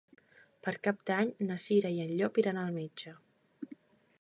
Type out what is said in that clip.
Per Cap d'Any na Cira i en Llop iran al metge.